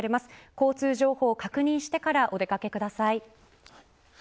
交通情報を確認してからお出掛けください。